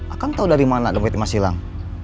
akang tau dari mana dompet imas hilang